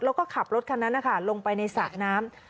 แล้วก็ขับรถคันนั้นนะคะลงไปในสระน้ำ